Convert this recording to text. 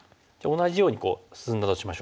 同じようにこう進んだとしましょう。